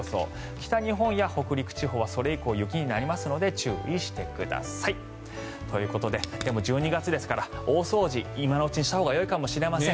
北日本や北陸地方はそれ以降、雪になりますので注意してください。ということで、１２月ですから大掃除、今のうちにしたほうがよいかもしれません。